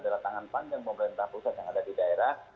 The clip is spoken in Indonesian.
yang ada di daerah